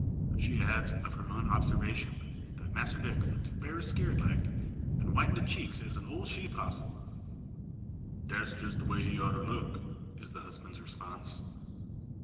She adds, of her own observation, that Massr Dick looked "berry scared like, an' white in de cheeks as a ole she possum." "Dats jess de way he oughter look," is the husband's response.